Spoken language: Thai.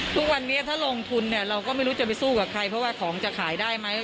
ทุกวันนี้ถ้าลงทุนเนี่ยเราก็ไม่รู้จะไปสู้กับใครเพราะว่าของจะขายได้ไหม